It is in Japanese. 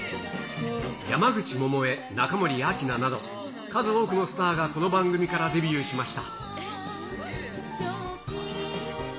山口百恵、中森明菜など、数多くのスターがこの番組からデビューしました。